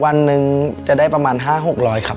วันหนึ่งจะได้ประมาณห้าโหกร้อยครับ